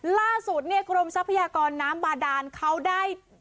ล่าสุดเนี่ยกรมทรัพยากรน้ำบาดานเขาได้